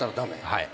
はい。